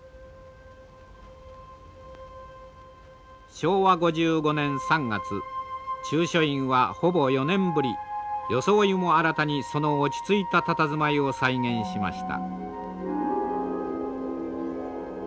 昭和５５年３月中書院はほぼ４年ぶり装いも新たにその落ち着いたたたずまいを再現しました。